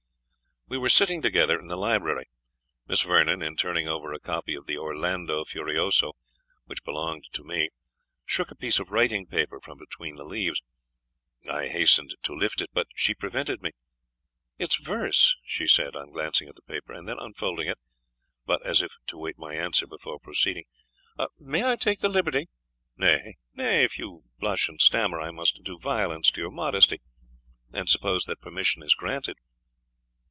We were sitting together in the library. Miss Vernon, in turning over a copy of the Orlando Furioso, which belonged to me, shook a piece of writing paper from between the leaves. I hastened to lift it, but she prevented me. "It is verse," she said, on glancing at the paper; and then unfolding it, but as if to wait my answer before proceeding "May I take the liberty? Nay, nay, if you blush and stammer, I must do violence to your modesty, and suppose that permission is granted."